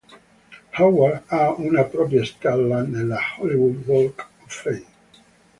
Howard ha una propria "stella" nella Hollywood Walk of Fame.